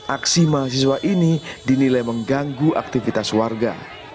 aksi mahasiswa ini dinilai mengganggu aktivitas warga